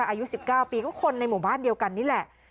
อายุ๑๙ปีก็คนในหมู่บ้านเดียวกันนี่แหละ